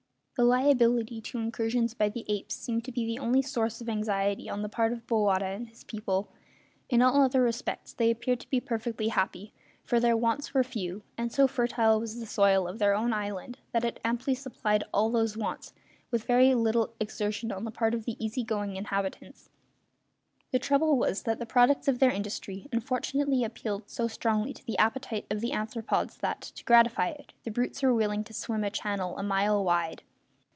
The liability to incursions by the apes seemed to be the only source of anxiety on the part of Bowata and his people. In all other respects they appeared to be perfectly happy; for their wants were few, and so fertile was the soil of their own island that it amply supplied all those wants, with very little exertion on the part of the easy going inhabitants. The trouble was that the products of their industry unfortunately appealed so strongly to the appetite of the anthropoids that, to gratify it, the brutes were willing to swim a channel a mile wide.